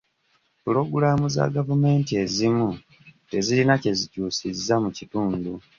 Pulogulamu za gavumenti ezimu tezirina kye zikyusizza mu kitundu.